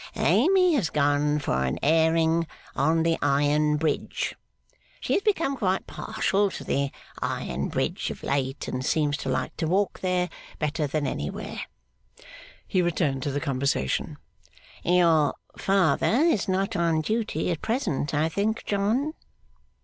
'Amy has gone for an airing on the Iron Bridge. She has become quite partial to the Iron Bridge of late, and seems to like to walk there better than anywhere.' He returned to conversation. 'Your father is not on duty at present, I think, John?